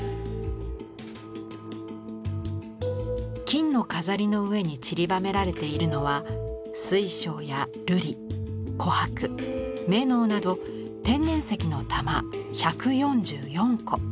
金の飾りの上にちりばめられているのは水晶や瑠璃琥珀瑪瑙など天然石の玉１４４個。